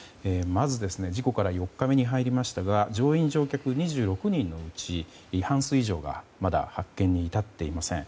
まず事故から４日目に入りましたが乗員・乗客２６人のうち半数以上がまだ発見に至っていません。